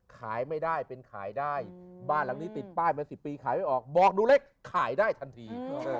ขายไม่ได้เป็นขายได้บ้านหลังนี้ติดป้ายมา๑๐ปีขายไม่ออกบอกหนูเล็กขายได้ทันที